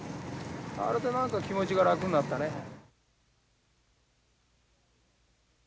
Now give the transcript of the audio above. あれで何か気持ちが楽になったね。